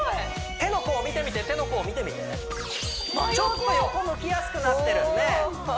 手の甲を見てみて手の甲を見てみてちょっと横向きやすくなってるおっハハハ